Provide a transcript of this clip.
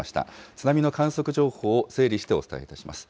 津波の観測情報を整理してお伝えします。